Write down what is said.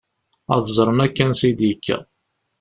Ad ẓṛen akk ansa i d-yekka.